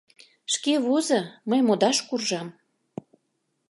Шке возо, мый модаш куржам...